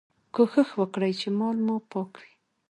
کوښښ وکړئ چي مال مو پاک وي.